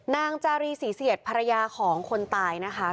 นางจารีศรีเสียดภรรยาของคนตายนะคะ